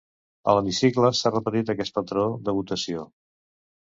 A l’hemicicle s’ha repetit aquest patró de votació.